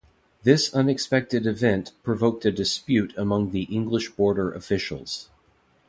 This unexpected event provoked a dispute amongst the English border officials.